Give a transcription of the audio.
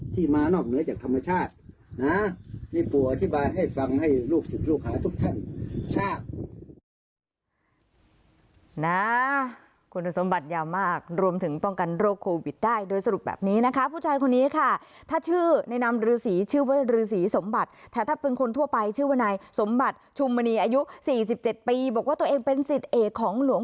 ที่มานอกเหนือจากธรรมชาตินะพี่ปู่อธิบายให้ฟังให้ลูกศิษย์ลูกหาทุกท่านทราบ